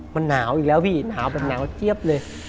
มันหนาวอีกแล้วพี่หนาวแบบหนาวเจี๊ยบเลย